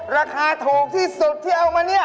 ราคาถูกที่สุดที่เอามาเนี่ย